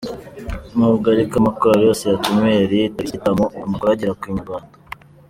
Nubwo ariko amakorali yose yatumiwe yari yitabiriye iki gitaramo, amakuru agera ku Inyarwanda.